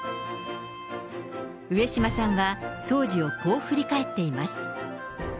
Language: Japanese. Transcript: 上島さんは、当時をこう振り返っています。